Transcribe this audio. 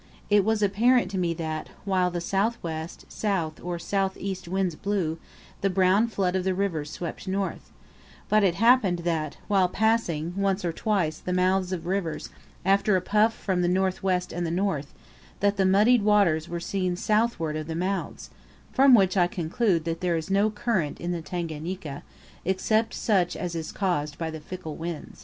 It was apparent to me that, while the south west, south, or south east winds blew, the brown flood of the rivers swept north; but it happened that, while passing, once or twice, the mouths of rivers, after a puff from the north west and north, that the muddied waters were seen southward of the mouths; from which I conclude that there is no current in the Tanganika except such as is caused by the fickle wind.